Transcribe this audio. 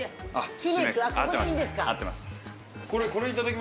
ここでいいんですか？